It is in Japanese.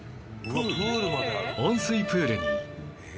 温水プールに